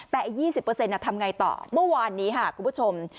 แต่อีก๒๐เปอร์เซ็นต์ทำไงต่อเมื่อวานนี้คุณผู้ชม